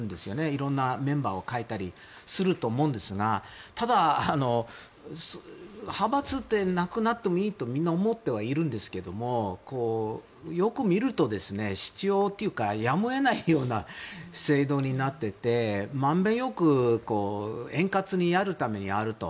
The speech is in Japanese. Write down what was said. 色んなメンバーを変えたりすると思うんですがただ、派閥なくなっていいとみんな思っていると思うんですけどよく見ると、必要というかやむを得ないような制度になっていて満遍なく円滑にやるためにあると。